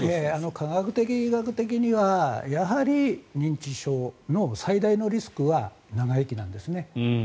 科学的、医学的にはやはり認知症の最大のリスクは長生きなんですね。